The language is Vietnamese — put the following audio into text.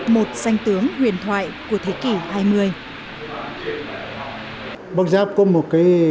một xanh tướng huyền thoại của thế kỷ hai mươi